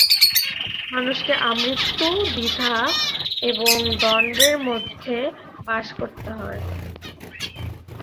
মানুষকে আমৃত্যু দ্বিধা এবং দ্বন্দ্বের মধ্যে বাস করতে হয়।